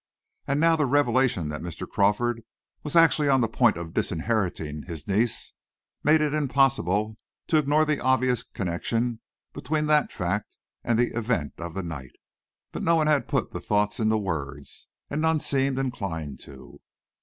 And now the revelation that Mr. Crawford was actually on the point of disinheriting his niece made it impossible to ignore the obvious connection between that fact and the event of the night. But no one had put the thought into words, and none seemed inclined to.